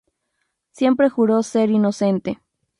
Siempre juró ser inocente.